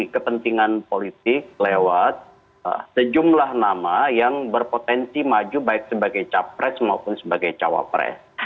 kepentingan politik lewat sejumlah nama yang berpotensi maju baik sebagai capres maupun sebagai cawapres